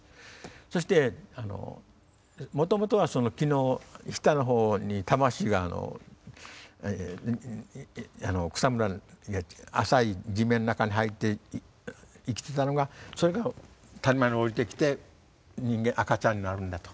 そしてもともとはその木の下のほうに魂が浅い地面の中に生えて生きてたのがそれが谷間におりてきて人間赤ちゃんになるんだと。